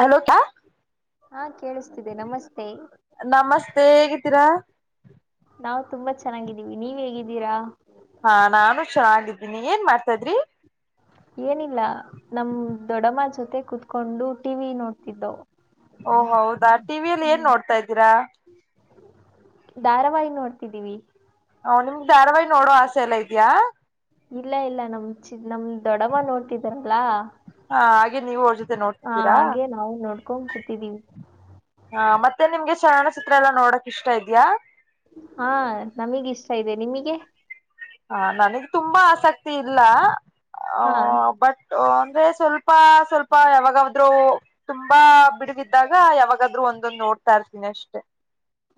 Hello ಕ ಹಾ ಕೇಳಿಸ್ತಿದೆ ನಮಸ್ತೆ ನಮಸ್ತೆ ಹೇಗಿದ್ದೀರಾ? ನಾವು ತುಂಬಾ ಚೆನ್ನಾಗಿದ್ದೀವಿ ನೀವ್ ಹೇಗಿದ್ದೀರಾ? ಹಾ ನಾನು ಚನ್ನಾಗಿದ್ದೀನಿ ಏನ್ ಮಾಡ್ತ ಇದ್ರಿ, ಏನಿಲ್ಲ ನಮ್ ದೊಡಮ್ಮ ಜೊತೆ ಕುತ್ಕೊಂಡು ಟಿ ವಿ ನೋಡ್ತಿದ್ವು. ಓ ಹೌದಾ ಟಿ ವಿಯಲ್ಲಿ ಏನ್ ನೋಡ್ತಾ ಇದ್ದೀರಾ, ಧಾರಾವಾಹಿ ನೋಡ್ತಿದ್ದೀವಿ. ಓಹ್ ನಿಮ್ ಧಾರವಾಹಿ ನೋಡೋ ಆಸೆ ಎಲ್ಲ ಇದಿಯಾ? ಇಲ್ಲ ಇಲ್ಲ ನಮ್ ಚ್ ನಮ್ ದೊಡವ್ವ ನೋಡ್ತಿದಾರಲ್ಲ ಹಾ ಹಾಗೆ ನೀವು ಅವ್ರ ಜೊತೆ ನೋಡ್ತಿದ್ದೀರಾ ಹಾಗೆ ನಾವು ನೋಡ್ಕೊಂಡ್ ಕೂತಿದೀವಿ ಹ ಮತ್ ತ್ತೆ ನಿಮ್ಗೆ ಚಲನ ಚಿತ್ರ ಎಲ್ಲಾ ನೋಡಕ್ ಇಷ್ಟ ಇದ್ಯಾ, ಹಾ ನಮಿಗಿಷ್ಟ ಇದೆ ನಿಮಿಗೆ ಹ ನನಗ್ ತುಂಬಾ ಆಸಕ್ತಿ ಇಲ್ಲ. ಆ ಹಾ ಬಟ್ ಒನ್ ಪೆ ಸ್ವಲ್ ಸ್ಪ ಸ್ವಲ್ಪ ಯಾವಾಗಾ ಅವಧ್ರು ತುಂಬಾ ಬಿಡುವಿದ್ದಾಗ ಯಾವಾಗಾದ್ ಒಂದೊಂದು ನೋಡ್ತಾ ಇರ್ತೀನಿ ಅಷ್ಟೆ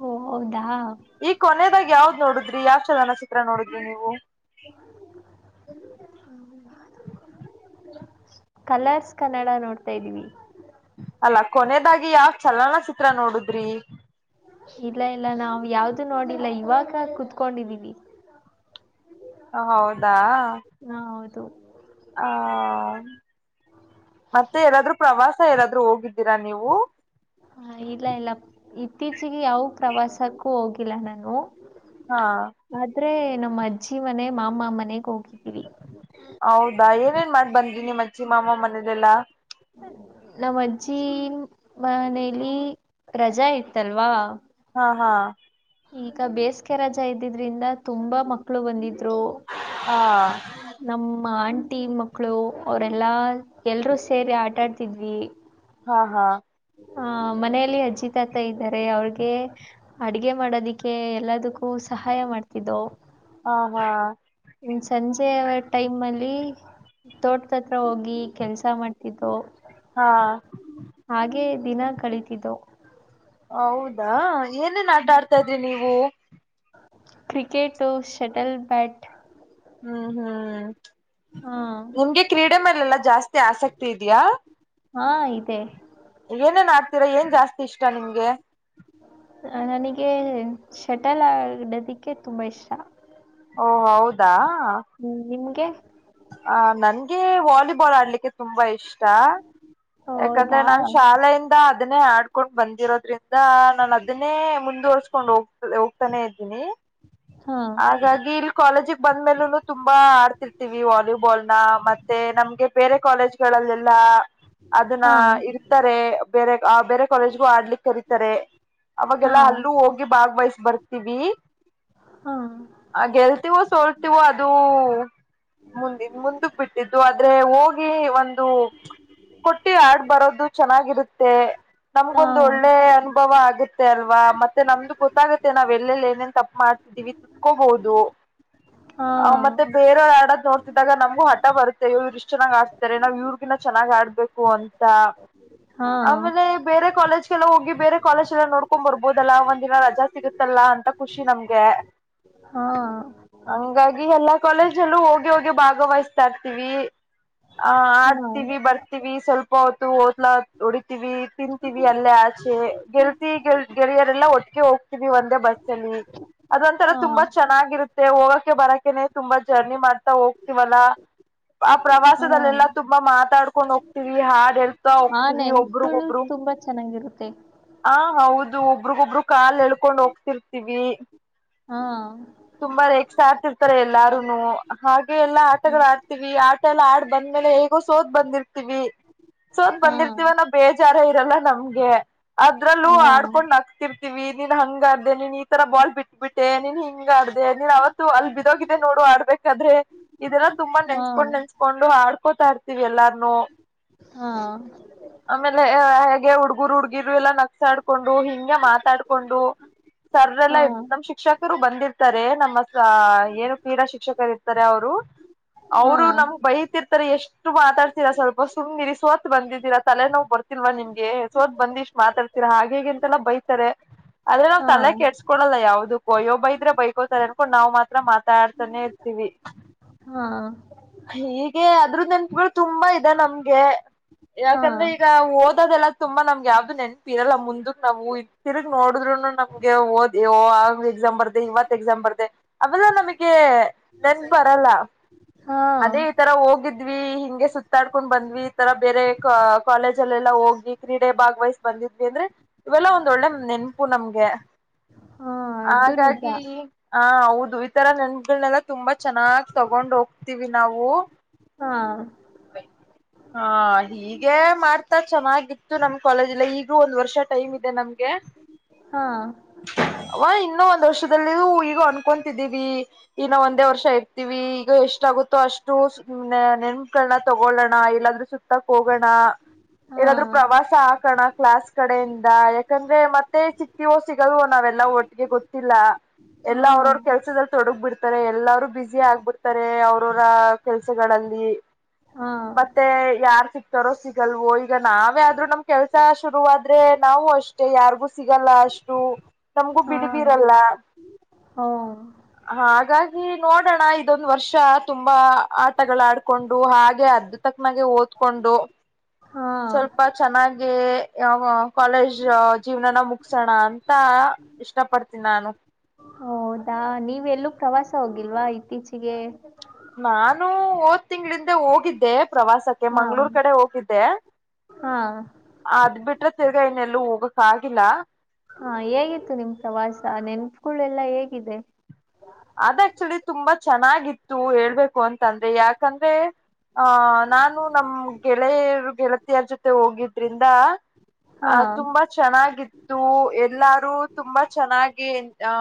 ಓ ಹೌದಾ ಈ ಕೊನದಾಗ ಯಾವ್ದ ನೋಡಿದ್ರಿ ಯಾವ ಚಲನ ಚಿತ್ರ ನೋಡಿದಿ ಅ ನೀವು ಕಲರ್ಸ್ ಕನ್ನಡ ನೋಡ್ತಾದೀವಿ ಅಲ್ಲ ಕೊನದಾಗಿ ಯಾವ ಚಲನಚಿತ್ರ ನೋಡುದ್ರಿ ಇಲ್ಲ ಇಲ್ಲ ನಾವವು ಯಾವ್ದು ನೋಡಿಲ್ಲ ಇವಾಗ ಕುತ್ಕೊಂಡಿದೀವಿ ಹ ಹೌದಾ ಹಾ ಹೌದು ದು ಹ ಮತ್ತೆ ಎಲ್ಲಾದ್ರೂ ಪ್ರವಾಸ ಏರಾದ್ರು ಹೋಗಿದ್ದೀರಾ ನೀವು ಹ ಇಲ್ಲ ಇಲ್ಲ ಇತ್ತೀಚೆಗೆ ಯಾವ ಪ್ರವಾಸಕ್ಕೂ ಹೋಗಿಲ್ಲ ನಾನು ಹಾ ಆದ್ರೆ ನ ಅಜ್ಜಿ ಮನೆ ಮಾ ಮನೆ ಹೋಗಿ ಹೌದಾ ಏನೇನ್ ಮಾಡ್ ಬಂದೀನಿ ಮಚ್ಚಿ ಮಾಮ ಮನೇ [unintelligible] ನಮ್ಮಜ್ಜಿ ಮನೇಲಿ ರಜಾ ಇತ್ತಲ್ವಾ ಹಾ ಹಾ ಈಗ ಬೇಸಿಗೆ ರಜಾ ಇದ್ದಿದ್ರಿಂದ ತುಂಬಾ ಮಕ್ಕಳು ಬಂದಿದ ಹಾ ನಮ್ಮ ಆಂಟಿ ಮಕ್ಕಳು ಅವರೆಲ್ಲಾ ಎಲ್ರೂ ಸೇರಿ ಆಟಾಡ್ತಿದ್ವಿ ಹಾ ಹಾ ಆಹ ಮನೆಯಲ್ಲಿ ಅಜ್ಜಿ ತಾತ ಇದ್ದಾರೆ ಅವ್ರಗೆ ಅಡಗೆ ಮಾಡೋದಿಕ್ಕೆ ಎಲ್ಲದಕ್ಕೂ ಸಹಾಯ ಮಾಡ್ತಿದ್ದವು ಹಾ ಹಾ ಸಂಜೆಯ ಟೈಮ್ ಅಲ್ಲಿ ತೋಟದತ್ರ ಹೋಗಿ ಕೆಲ್ಸ ಮಾಡ್ತಿದ್ದೋ ಹಾ ಹಾಗೆ ದಿನ ಕಳಿತಿದ್ದು ಹೌದಾ ಏನೇನ್ ಆಟ ಆಡ್ತಾ ಇದ್ರಿ ನೀವು ಕ್ರಿಕೆಟ್ ಶಟಲ್ ಬ್ಯಾಟ್ ಹ್ಮ್ ಹ್ಮ್್ಮ ಹಾ ನಿಂಗೆ ಕ್ರೀಡೆ ಮೇಲೆ ಲ್ಲ ಜಾಸ್ತಿ ಆಸಕ್ತಿ ಇದೆಯಾ ಹಾ ಇದೆ. ಏನೇನ್ ಆಕ್ತಿರಾ ಏನ್ ಜಾಸ್ತಿ ಇಷ್ಟ ನಿಮ್ಗೆ ನನಗೆ ಶಟಲ್ ಆಡದಕ್ಕೆ ತುಂಬಾ ಇಷ್ಟ. ಓ ಹೌದಾ. ಹ್ಮ್ ನಿಮ್ಗೆ ಆ ನನ್ಗೆ ವಾಲಿಬಾಲ್ ಆಡ್ಲಿಕ್ಕೆ ತುಂಬಾ ಇಷ್ಟ ಯಾಕಂದ್ರೆ ಹೌದಾ ನಾ ಶಾಲೆಯಿಂದ ಅ ಅದನ್ನೇ ಆಡ್ಕೊಂಡ ಬಂದಿರೋದ್ರಿಂದ ನಾನ ಅದನ್ನೇ ಮುಂದುವರ್ಸ್ಕೊಂಡ್ ಹೋಗ್ತ ಹೋಗ್ತಾನೇ ಇದ್ದೀನಿ. ಹಾ ಹಾಗಾಗಿ ಇಲ್ ಕಾಲೇಜಿಗ ಬಂದ್ಮೇಲೂ ತುಂಬಾ ಆಡ್ತಿರ್ತೀವಿ ವಾಲಿಬಾಲ್ ನ ಮತ್ತೆ ನಮ್ಗೆ ಬೇರೆ ಕಾಲೇಜ್ ಗಳಲ್ಲೆಲ್ಲಾ ಅದನ್ನ ಹಾ ಇರ್ತಾರೆ ಬೇರೆ ಆ ಬೇರೆ ಕಾಲೇಜ್ಗೂ ಆಡ್ಲಿಕ್ ಕರೀತಾರೆ ಹಾ ಅವಾಗೆಲ್ಲಾ ಅಲ್ಲೂ ಹೋಗಿ ಭಾಗ್ವಹ ಬರ್ತೀವಿ. ಹಾ ಆ ಗೆಲ್ತವೋ ಸೋಲ್ತಿವೋ ಅದು ಮುಂದ ಮುಂದಕ್ಕ ಬಿಟ್ಟಿದ್ದು ಆದ್ರೆ ಹೋಗಿ ಒಂದು ಕುಂಟಿ ಆಡ್ ಬರೋದು ಚೆನ್ನಾಗಿರುತ್ತೆ. ಹಾ ನಮ್ಗೊಂದು ಒಳ್ಳೆ ಅನುಭವ ಆಗತ್ತೆ ಅಲ್ ಆ ಮತ್ತೆ ನಮ್ದು ಗೊತ್ತಾಗತ್ತೆ ನಾವ್ ಎಲ್ಲೆಲ್ಲಿ ಏನೇನ್ ತಪ್ಪು ಮಾಡ್ತಿದ್ದೀವಿ. ಕೋಬದು. ಹಾ ಆ ಮತ್ತೆ ಬೇರೆವ ಆಡ ನೋಡ್ತಿದ್ದಾಗ ನಮ್ಗೂ ಹಠ ಬರುತ್ತೆ ಇವರು ಇಷ್ಟು ಚೆನ್ನ್ ಆಡ್ತಾರೆ ನಾವ್ ಇವ್ರಗಿನ್ನ ಚೆನ್ನಾಗ್ ಆಡ್ಬೇಕು ಅಂತ ಹಾ ಆಮೇಲೆ ಬೇರೆ ಕಾಲೇಜ್ ಲ್ಲ ಹೋಗಿ ಬೇರೆ ಕಾಲೇಜ್ ಎಲ್ಲ ನೋಡ್ಕೊಂಡ್ ಬರ್ಬೋದಲ್ಲಾ ಒಂದ್ ದಿನ ರಜಾ ಸಿಗತ್ತಲ್ಲ ಅಂತ ಖುಷಿ ನಮ್ಗೆ. ಹಾ ಹಾ ಹಂಗಾಗಿ ಎಲ್ಲಾ ಕಾಲೇಜಲ್ಲು ಹೋಗಿ ಹೋಗಿ ಭಾಗವಹಿಸ್ತಾ ಇರ್ತೀವಿ. ಅ ಆಡ್ತೀವಿ ಬರ್ತೀವಿ ಸ್ವಲ್ಪ ಹೊ ಒದ್ಲಾ ಓಡಿ ತೀವಿ ತಿಂತೀವಿ ಅಲ್ಲೇ ಆಚೆ ಗೆಲ್ತಿ ಗೆಳೆಯರೆಲ್ಲ ಒಟ್ಟಿಗೆ ಹೋಗ್ತೀವಿ ಒಂದೇ ಬಸ್ಸ ಅಲ್ಲಿ ಅದೊಂತರ ಹಾ ತುಂಬಾ ಚೆನ್ನಾಗಿರುತ್ತೆ ಹೋಗಕ್ಕೆ ಬರಕ್ಕ [inaudible] ತುಂಬಾ ಜರ್ನಿ ಮಾಡ್ತಾ ಹೋಗ್ತವಲ್ಲ ಆ ಹಾ ಪ್ರವಾಸದಲ್ಲೆಲ್ಲಾ ತುಂಬಾ ಮಾತಾಡ್ಕೊಂಡ್ ಹೋಗ್ತಿವಿ ಹಾಡ್ ಹೇಳ್ತಾ ಆ ಹೋಗ್ತವಿ ಒಬ್ರಗ ನೆನಪುಗಳು ಒಬ್ರು ತುಂಬಾ ಚೆನ್ನಾಗಿರುತ್ತೆ ಆ ಹೌದು. ದು ಒಬ್ರಗೊಬ್ರು ಕಾಲ್ ಎಳ್ಕೊಂಡ್ ಹೋಗ್ತಿರ್ತಿವಿ. ಹ್ಞಾ. ತುಂಬಾ ರೆಕ್ಸ ಆತಿರ್ತಾರೆ ಎಲ್ಲಾರುನು ಹಾಗ ಎಲ್ಲಾ ಹ್ಮ್ ಆಟಗಳ ಆಡ್ತಿವಿ ಆಟ ಎಲ್ಲ ಆಡ್ ಬಂದ್ಮೇಲೆ ಹೇಗೋ ಸೋತ್ ಬಂದಿರ್ತಿವಿ ಸೋತ್ ಹಾ ಬಂದಿರ್ತಿವ ಆನ್ ಬೇಜಾರ ಇದೆಲ್ಲ ನಮ್ಗೆ ಅದ್ರಲ್ಲೂ ಹಾ ಆಡ್ಕೊಂಡ್ ಹಕ್ತಿರ್ತಿವಿ ನೀನ್ ಹಂಗಾದ್ದೆ ನೀನ್ ತರ ಬಾಳ್ ಬಿಟ್ಟಬಿಟ್ಟೆ ನೀನ್ ಹ ಹಿಂಗಡ ನೀ ಅವತ್ತು ಅಲ್ಲ ಬಿದ್ದೋಗಿದ್ದ ನೋಡು ಆಡ್ಬೇಕಾದ್ರೆ ಇದೆಲ್ಲ ತುಂಬಾ ಹಾ ನೆನಸ್ಕೊಂಡು ನೆನಸ್ಕೊಂಡು ಆ ಕೋತಾ ಅರ್ತೀವಿ ಎಲ್ಲಾರ್ನುೂ ಆಮೇಲೆ ಹಂಗೆ ಹುಡ್ಗುರು ಹುಡ್ಗಿರು ಎಲ್ಲಾ ನಕ್ಸಾಡ್ಕೊಂಡು ಹಿಂಗೆ ಮಾತಾಡ್ಕೊಂಡು ಸರ್ ಎಲ್ಲಾ ಹಾ ನಮ್ ಶಿಕ್ಷಕ ರು ಬಂದಿರ್ ಇರ್ತಾರೆ ನಮ್ಮ ಏನು ಕ್ರೀಡಾ ಶಿಕ್ಷಕರು ಇರ್ತಾರೆ ಅವರು ಹಾ ಅವ್ರು ನಮ್ಗ್ ಬೈತಿರ್ತಾರೆ ಎಷ್ಟು ಮಾತಾಡ್ತೀರಾ ಸ್ವಲ್ಪ ಸುಮ್ಮ್ನ ಇರಿ ಸೋತ್ ಬಂದಿದ್ದೀರಾ ತಲೆ ನಾವ್ ಬರ್ತಿಲ್ವಾ ನಿಮ್ಗೆ ಸೋತ್ ಬಂದ ಇಷ್ಟ್ ಮಾತಾಡ್ತೀರಾ ಹಾಗೇಗೆ ಅಂತೆಲ್ಲ ಬೈತಾರೆ ಆದ್ರೆ ನಾವ್ ಹಾ ಹಾ ತಲೆ ಕೆಡ್ಸ್ಕೊಳ್ಳಲ್ಲ ಯಾವ್ದಕು ಆಯ್ಯೋ ಬೈದ್ರೆ ಬೈಕೋತಾರೆ ಅನ್ಕೊಂಡು ನಾವ ಮಾತ್ರ ಮಾತಾಡ್ತಾನೆ ಇರ್ತೀವಿ ಹಾ ಹೀಗೆ ಅದ್ರ ನೆನ್ಪಗಳು ತುಂಬಾ ಇದೆ ನಮ್ಗೆ ಹಾ ಯಾಕಂದ್ರೆ ಈಗ ಓದದೆಲ್ಲಾ ತುಂಬಾ ನಮ್ಗೆ ಆ ನೆನ್ಪಿ ಇರಲ್ಲ ಮುಂದಕ್ ನಾವು ತಿರುಗ್ ನೋಡಿದ್ರುನು ನಮ್ಗೆ ಓದ್ ಆಗ ಎಕ್ಸಾಮ್ ಬರ್ದೆ ಇವತ್ ಎಕ್ಸಾಮ್ ಬರ್ದೆ ಅವೆಲ್ಲ ನಮಗೆ ನೆನ್ಪ ಬರಲ್ಲ ಹಾ ಅದೇ ಈ ತರ ಹೋಗಿದ್ವಿ ಹಿಂಗೆ ಸುತ್ತಾಡ್ಕೊಂಡ್ ಬಂದ್ವಿ ಈ ತರ ಬೇರೆ ಕಾಲೇಜಲ್ಲೆಲ್ಲಾ ಹೋಗಿ ಕ್ರೀಡೆ ಭಾಗ್ವೈಸ್ ಬಂದಿದ್ವಿ ಏನ್ರಿ ಇವೆಲ್ಲ ಒಂದೊಳ್ಳೆ ನೆನಪು ನಮ್ಗೆ ಹಾ ಅದು ನಿಜ ಹಾಗಾಗಿ ಆ ಹೌದು ಇತರ ನೆನ್ಪು [unintelligible] ತುಂಬ ಚೆನ್ನಾಗ್ ತೊಗೊಂಡ್ ಹೋಗ್ ನಾವು ಹಾ ಹಾ ಹೀಗೆ ಮಾಡ್ತಾ ಚೆನ್ನಾಗಿತ್ತು ನಮ್ ಕಾಲೇಜ್ ಈಗು ಒಂದ್ ವರ್ಷ ಟೈಮ್ ಇತ್ ನಮಗೆ ಹಾ ಹೊಯಿ ಇನ್ನ ದೋಷದಲ್ಲಿ ಈಗ ಅನ್ಕೊತಿದ್ದೀವಿ ಇನ್ನು ಒಂದೇ ವರ್ಷ ಇರ್ತೀವಿ ಈಗ ಎಷ್ಟ ಆಗುತ್ತೋ ಅಷ್ಟು ನೆನ್ ಗಳನ ತಗೊಳ್ಳೋಣ ಇಲ್ಲಾದ್ರೂ ಸುತ್ತ ಹೋಗೋಣ ಹಾ ಏನಾದ್ರರು ಪ್ರವಾಸ ಹಾಕಣ ಕ್ಲಾಸ್ ಕಡೆಯಿಂದ ಯಾಕಂದ್ರೆ ಮತ್ತೆ ಸಿಕ್ತವೋ ಸಿಗದವೋ ನಾವೆಲ್ಲಾ ಒಟ್ಟಿಗೆ ಗೊತ್ತಿಲ್ಲ ಎಲ್ಲಾ ಹಾ ಅವ್ರವ್ರ ಕೆಲ್ಸದಲ್ಲಿ ತೊಡಗ ಬಿಡ್ತಾರೆ ಎಲ್ಲ ಬಿಜಿ ಆಗ್ಬಟ್ಟು ತಾರೆ ಅವ್ರರ ಕೆಲಸದಲ್ಲಿ ನೀ ಹಾ ಮತ್ತೆ ಯಾರ್ ಸಿಕ್ ತರ ಸಿಗಲ್ವೋ ಈಗ ನಾವೇ ಆದ್ರೂ ನಮ್ ಕೆಲ್ಸ ಶುರುವಾದ್ರೆ ನಾವವು ಅಷ್ಟೆ ಯಾರಿಗೂ ಸಿಗಲ್ಲ ಅಷ್ಟು ನಮಗೂ ಹಾ ಬಿಡ್ಬರಲ್ಲ ಹೋ ಹಾಗಾಗಿ ನೋಡೋಣ ಇದೊಂದು ವರ್ಷ ತುಂಬಾ ಆಟಗಳ ಆಡ್ಕೊಂಡು ಹಾಗೆ ಅದ್ದ ತಕ್ಕನಾಗೆ ಓದ್ಕೊಂಡು ಹಾ ಸ್ವಲ್ಪ ಚೆನ್ನಾಗಿ ಹೆ ಯಾವ ಕಾಲೇಜ್ ಜೀವನನ ಮುಗಸೋಣ ಅಂತ ಇಷ್ಟ ಪಡ್ತೀನಿ ನಾನು ಹೌದಾ ನೀವೆಲ್ಲೂ ಪ್ರವಾಸ ಹೋಗಿಲ್ವಾ ಇತ್ತೀಚಿಗೆ ನಾನು ಓದ ತಿಂಗಗಳಿಂದ ಹೋಗಿದ್ದೆ ಪ್ರವಾಸಕ್ಕೆ ಹಾ ಮಂ್ಗಳೂರ್ ಕಡೆ ಹೋಗಿದ್ದೆ ಹಾ ಅದ ಬಿಟ್ರೆ ತಿರ್ಗಾಯನ್ನಲ್ಲೂ ಹೋಗಕ್ ಆಗಿಲ್ಲ ಹಾ ಹೇಗಿತ್ತು ನಿಮ್ ಪ್ರವಾಸ ನೆನ್ಪಗಳು ಎಲ್ಲಾ ಹೇಗಿದೆ ಅದ್ ಆಕ್ಚುಲಿ ತುಂಬಾ ಚೆನ್ನಾಗಿತ್ತು ಹೇಳ್ಬೇಕು ಅಂತಂದ್ರೆ ಯಾಕಂದ್ರೆಹ ನಾನು ನಮ್ ಗೆಳೆಯರು ಗೆಳತಿಯರ ಜೊತೆ ಮ ಹೋಗಿದ್ರಿಂದ ಹಾ ಆ ತುಂಬಾ ಚೆನ್ನಾಗಿ ಎಲ್ಲಾರು ತುಂಬಾ ಚೆನ್ನಾಗಿ ಆ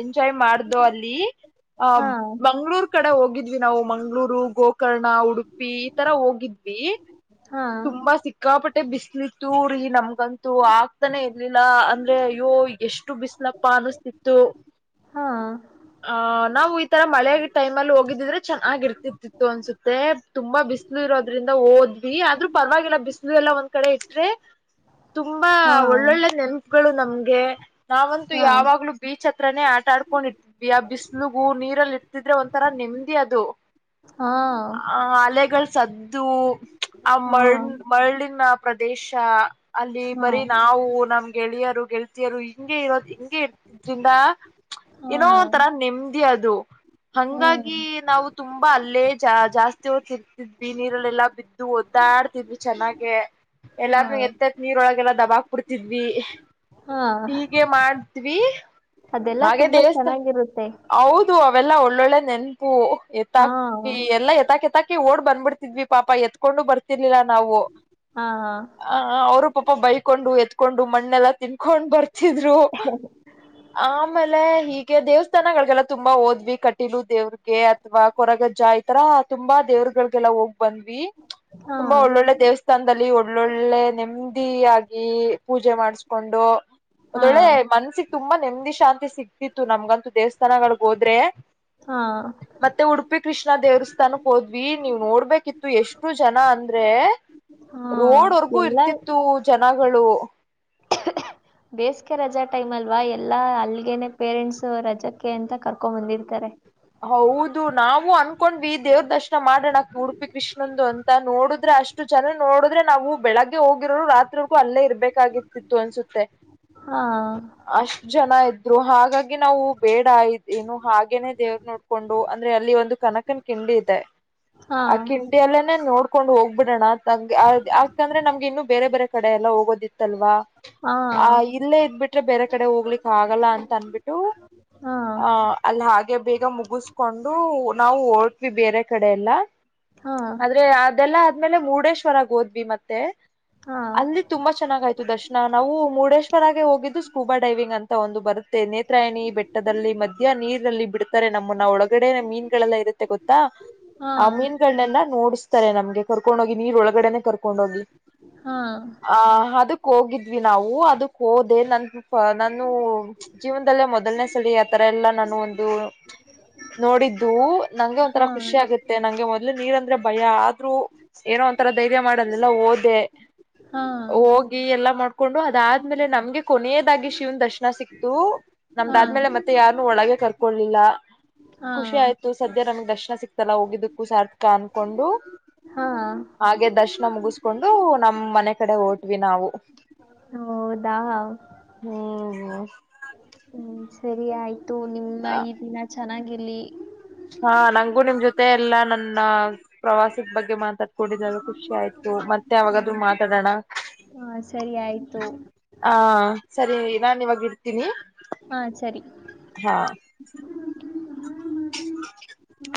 ಎಂಜಾಯ್ ಮಾಡ ಅಲ್ಲಿ ಆ ಹಾ ಮಂಗಳೂರ್ ಕಡೆ ಹೋಗಿದ್ದ ವಿ ನಾವು ಮಂಗ್ಗಳೂರು ಗೋಕರ್ಣ ಉಡುಪಿ ಈ ತರ ಹೋಗಿದ್ವಿ ಹಾ ತುಂಬಾ ಸಿಕ್ಕಾಪಟ್ಟ ಮತ್ತೆ ಬಿಸಲಿತೂರಿ ನಮ ಬಂತು ಆಗ್ತಾನೆ ಇಲಿಲ್ಲ ಅಂದ್ರೆ ಅಯ್ಯೋ ಎಷ್ಟು ಬಿಸಲಪ್ಪ ಅನಿಸ್ತಿತ್ತು ಹಾ ಆ ನಾವು ಈ ತರ ಮಳೆ ಟೈಮ್ ಅಲ್ಲಿ ಹೋಗಿದಿದ್ರೆ ಚೆನ್ನಾಗಿ ಇರ್ತಿತಿತ್ತು ಅನ್ಸುತ್ತೆ ತುಂಬಾ ಬಿಸಿಲು ಇರೋದ್ರಿಂದ ಹೋದ್ವಿ ಆದ್ರೂ ಪರವಾಗಿಲ್ಲ ಬಿಸದೆಲ್ಲ ಒಂದ್ ಕಡೆ ಇಟ್ರೆ ತುಂಬಾ ಹಾ ಒಳ್ಳೊಳ್ಳೆ ನೆನಪುಗಳು ನಮ್ಗೆ ನಾವಂತೂ ಹಾ ಯಾವಾಗ್ಲೂ ಬೀಚ್ ಹತ್ರಾನೇ ಆಟ ಆಡ್ಕೊಂಡ್ ಇ ಬಿಸ್ಲುಗೂ ನೀರಲ್ಲಿ ಇಟ್ಟತಿದ್ರೆ ಒಂಥರ ನೆಮ್ಮದಿ ಅದು ಹಾ ಆ ಅಲೆಗಳು ಸದ್ದು ಹಾ ಮ ಮರಳಿನ ಪ್ರದೇಶ ಅಲ್ಲಿ ಹಾ ಬರೀ ನಾವು ನಮ್ ಗೆಳಿಯರು ಗೆಲ್ಸ ಎರ ಹಿಂ ಇರೋದು ಹಿಂಗೆ ಇರ್ತಿ ಚಿಂದಾ ಹಾ ಏನೋ ಒಂಥರ ನೆಮದಿ ಅದು ಹ್ಮ್ ಹಂಗಾಗಿ ನಾವು ತುಂಬಾ ಅಲ್ಲೇ ಜಾಸ್ತಿ ಓದ್ತಿರ್ತಿದ್ವಿ ನೀರಲ್ಲೆಲ್ಲ ಬಿದ್ದ ಓದ್ ಾಡ್ತಿದ್ರು ಚೆನ್ನಾಗೆ ಹಾ ಎಲ್ಲಾರ ಎತ್ತ ನೀರ್ ಒಳಗೆಲ್ಲ ದಬಾ ಬಿಡ್ತಿದ್ವಿ ಹಾ ಹೀಗೆ ಮಾಡ ೀ ಅದೆಲ್ಲಾ ಹಾಗೆ ತುಂಬಾ ದೇವಸ್ಥ ಚೆನ್ನಾಗಿರುತ್ತೆ ಹೌದು ಅವೆಲ್ಲ ಉಳ್ಳಳ್ಳ ನೆನ್ಪೂು ಹಾ ಎತ್ತಾಕ ಎಲ್ಲ ಎತ್ತಾಕ್ ಎತಾಕಿ ಓಡ್ ಬಂದ್ಬಡ್ಿದ್ವಿ ಪಾಪ ಎತ್ಕೊಂಡ ಬರ್ ಇರ್ಲಿಲ್ಲ ನಾವು ಹಾ ಅವರು ಪಾಪ ಬೈಕೊಂಡು ಹ ಎತ್ [unintelligible] ಮಣ್ಣೆಲ್ಲ ತಿನ್ಕೊಂಡ್ ಬರ್ತ ಇದ್ರು ಆಮೇಲೆ ಈಗ ದೇವಸ್ಥಾನಗಳಿಗೆಲ್ಲ ತುಂಬಾ ಹೋದ್ವಿ ಕಟಿಲು ದೇವ್ರಗೆ ಅಥ್ವಾ ಕೊರಗಜ್ಜ ಇತರ ತುಂಬಾ ದೇವ್ರಗಳಿಗೆಲ್ಲಾ ಹೋಗ್ ಬಂದ್ವಿ ಹ್ಮ ಹಾ ತುಂಬಾ ಒಳ್ಳೊಳ್ಳೆ ದೇವಸ್ಥಾನದಲ್ಲಿ ಒಳ್ಳೊಳ್ಳೆ ನೆಮ ಆಗಿ ಪೂಜೆ ಮಾಡಿಸಕೊಂಡು ಹಾ ಒಂದೊಳ್ಳೆ ಮನ್ಸಿಗೆ ತುಂಬಾ ನೆಮ್ಮದಿ ಶಾಂತಿ ಸಿಕ್ತಿತ್ತು ನಮ್ಗಂತೂ ದೇವಸ್ಥಾನಗಳಗ್ ಹೋದ್ರೆ ಹಾ ಮತ್ತೆ ಉಡುಪಿ ಕೃಷ್ಣ ದೇವ್ರ ತನಕ್ ಹೋದ್ವಿ ನೀವು ನೋಡ್ಬೇಕಿತ್ತು ಎಷ್ಟು ಜನ ಅ ಅಂದ್ರೆ ಹಾ ರೋಡ್ವರ್ಗೂ ಎಲ್ಲಾ ಇರ್ತಿತ್ತು ಜನ ಹಣಗಳು ಬೇಸ್ಗೆ ರಜಾ ಟೈಮ್ ಅಲ್ವಾ ಎಲ್ಲಾ ಅಲ್ಗೆೇನೆ ಪೇರೆಂಟ್ಸ್ ರಜಾಕ್ಕೆ ಅಂತ ಕರ್ಕೊ ಬಂದಿರ್ತಾರೆ ಹೌದು ನಾವು ಅನ್ಕೊಂಡ್ವಿ ದೇವ್ರ ದರ್ಶನ ಮಾಡೋಣ ಉಡುಪಿ ಕೃಷ್ಣಂದು ಅಂತ ನೋಡುದ್ರೆ ಅಷ್ಟು ಜನ ನೋಡಿದ್ರೆ ನಾವು ಬೆಳಗ್ಗೆ ಹೋಗಿರೋರು ರಾತ್ರಿಗೂ ಅಲ್ಲೇ ಇರ್ಬ ಬೇಕಾಗಿತಿತ್ತು ಅನ್ಸುತ್ತೆ ಹಾ ಅಷ್ಟ ಜನ ಇದ್ದ ರು ಹಾಗಾಗಿ ನಾವು ಬೇಡ ನು ಹಾಗೇನೆೇ ನೋಡ್ಕೊಂಡು ಅಂದ್ರೆ ಅಲ್ಲಿ ಒಂದು ಕನಕನ ಕಿಂಡಿ ಇದೆ ಹಾ ಆ ಕಿಂಡಿ ಅಲ್ಲ ನೋಡ್ ಕಕೊಂಡ್ ಹೋಗ್ ಬಿಡೋಣ ನಂಗೆ ಆಂದ್ರೆ ನಮ್ಗೆ ಇನ್ನುೂ ಬೇರೆ ಬೇರೆ ಕಡೆ ಎಲ್ಲ ಹೋಗೋದಿತ್ತಲ್ವಾ ಹಾ ಆ ಇಲ್ಲೇ ಇದ್ಬಿಟ್ರೆ ಬೇರೆ ಕಡೆ ಹೋಗ್ಲಿಕ್ಕೆ ಆಗಲ್ಲ ಅಂತ ಅನ್ಬಿಟ್ಟು ಹಾ ಆಹ ಅಲ್ಲಿ ಹಾಗೆ ಬ ಈಸ್ಕೊಂಡು ನಾವು ಓಡ್ತ್ವಿ ಬೇರೆ ಕಡೆ ಎಲ್ಲ ಹಾ ಆದ್ರೆ ಅದೆಲ್ಲ ಆದ್ಮೇಲೆ ಮುರುಡೇಶ್ವರಗ್ ಹೋದ್ವಿ ಮತ್ತೆ ಹಾ ಅಲ್ಲಿ ತುಂಬಾ ಚೆನ್ನಾಗಾಯ್ತು ದರ್ಶನ ನಾವು ಮುರುಡೇಶ್ವರಾಗೆ ಹೋಗಿದ್ದು ಸ್ಕೂಬಾ ಡೈವಿಂಗ್ ಅಂತ ಒಂದು ಬರುತ್ತೆ ನೇತ್ರಾಯಣಿ ಬೆಟ್ಟದಲ್ಲಿ ಮಧ್ಯ ನೀರನಲ್ಲಿ ನಮ್ಮನ್ನ ಒಳಗಡೆ ಮೀನ್ಗಳೆಲ್ಲ ಇರುತ್ತೆ ಗೊತ್ತಾ ಹಾ ಆ ಮೀನ್ಗಳನ್ನೆಲ್ಲ ನೋಡ್ [unintelligible] ನಮಗೆ ಕರ್ಕೊಂಡು ಹೋಗಿ ನೀ ಒಳ ಹೊಗಡೆ ಕರ್ಕೊಂಡ ಹೋಗ್ ಹಾ ಆಹ ಅದಕ್ ಹೋಗಿದ್ವಿ ನಾವು ಅದಕ್ ಹೋದೆ ನನ್ ನಾನು ಜೀವನದಲ್ಲೇ ಮೊದಲನೇ ಸಲಿ ಆ ತರ ಎಲ್ಲಾ ನಾನು ಒಂದು ನೋಡಿದ್ದು ನಂಗೆ ಹಾ ಒಂಥರ ಖುಷಿ ಆಗುತ್ತೆ ನಂಗೆ ಇಲ್ಲ ನೀರ್ ಅಂದ್ರೆ ಭಯ ಆದ್ರೂ ಏನೋ ಒಂತರ ಧೈರ್ಯ ಮಾಡದಿಲ್ಲ ಓದೆ ಹಾ ಹೋಗಿ ಎಲ್ಲಾ ಮಾಡ್ ಕಕೊಂಡು ಅದಾದ್ಮೇಲೆ ನಮ್ಗೆ ಕೊನೆಯದಾಗಿ ಶಿವ್ನ ದರ್ಶನ ಸಿಕ್ತು ಹಾ ನಮ್ದಾದ್ಮೇಲೆ ಮತ್ತೆ ಯಾರನ್ನು ಒಳಗೆ ಕರ್ಕೊಳ್ಲಿಲ್ಲ ಹಾ ಖುಷಿ ಆಯ್ತು ಸದ ನಮಗೆ ದರ್ಶನ ಸಿಕ್ತಲ್ಲ ಹೋಗಿದಕ್ಕೂ ಸಾರ್ಥಕ ಅನ್ಕೊಂಡು ಹಾ ಹಾಗೆ ದರ್ಶನ ಮುಗಿಸ್ಕೊಂಡು ನಮ್ ಮನೆ ಕಡೆ ಓಟ್ವಿ ನಾವು- ಹೌದಾ ಹ್ಮ್ ಹ್ಮ್ ಸರಿ ಆಯ್ತು ನಿಮ್ಮ ಈ ದಿನ ಚೆನ್ನಾಗಿ ಗಲಿ [unintelligible] ಹಾ ನಂಗಗೂ ನಿಮ್ ಜೊತೆ ಎಲ್ಲ ನನ್ನ ಪ್ರವಾಸಿದ ಬಗ್ಗೆ ಮಾತಾಡ್ಕಡಿದರು ಖುಷಿ ಆಯ್ತು ಮತ್ತೆ ಹಾ ಯಾವಾಗದುೂ ಮಾತಾಡೋಣ ಹಾ ಸರಿ ಆಯ್ತು ಆ ಸರಿ ನಾನ್ ಇವಾಗ ಇಡ್ತೀನಿ ಹಾ ಸರಿ ಹಾ [inaudible]